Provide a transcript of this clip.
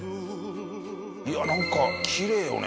いやなんかきれいよね